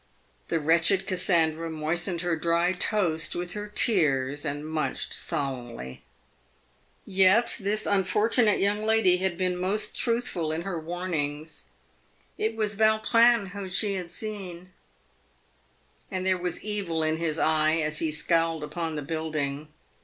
The wretched Cassandra moistened her dry toast with her tears, and munched so lemnly. Yet this unfortunate young lady had been most truthful in her warnings. It was Vautrin whom she had seen, and there was evil in his eye as he scowled upon the building.